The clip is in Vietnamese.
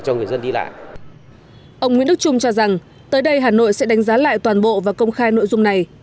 ông nguyễn đức trung cho rằng tới đây hà nội sẽ đánh giá lại toàn bộ và công khai nội dung này